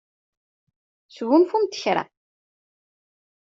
Sgunfumt kra.